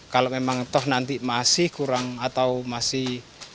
kalau memang toh nanti masih kurang atau masih